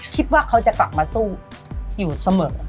คิดว่าเขาจะกลับมาสู้อยู่เสมอ